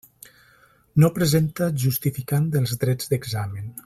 No presenta justificant dels drets d'examen.